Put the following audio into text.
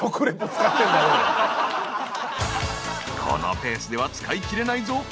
［このペースでは使い切れないぞ］